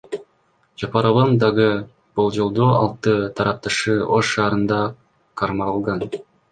Жапаровдун дагы болжолдуу алты тарапташы Ош шаарында кармалган.